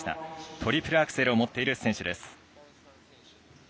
トリプルアクセルを持っている選手です。